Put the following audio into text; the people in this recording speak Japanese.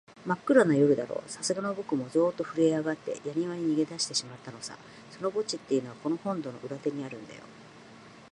まっくらな夜だろう、さすがのぼくもゾーッとふるえあがって、やにわに逃げだしてしまったのさ。その墓地っていうのは、この本堂の裏手にあるんだよ。